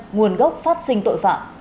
nguồn gốc phát sinh tội phạm